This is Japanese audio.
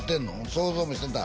想像もしてた？